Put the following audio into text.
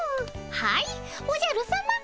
はいおじゃるさま。